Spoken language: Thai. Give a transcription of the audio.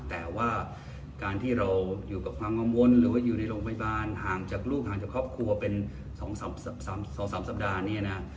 แต่ว่าการที่เราอยู่กับความกังวลหรือว่าอยู่ในโรงพยาบาลห่างจากลูกห่างจากครอบครัวเป็น๒๓สัปดาห์เนี่ยนะ